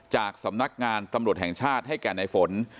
จากสำนักงานตำรวจแห่งชาติให้แก่ในฝน